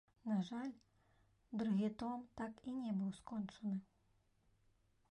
На жаль, другі том так і не быў скончаны.